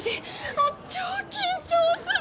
もう超緊張する！